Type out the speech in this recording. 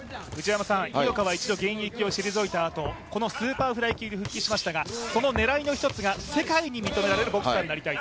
井岡は一度現役を退いたあとスーパーフライ級に復帰しましたがその狙いの一つが世界に認められるボクサーになりたいと。